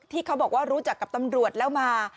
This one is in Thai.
เขาบอกว่ารู้จักกับตำรวจแล้วมา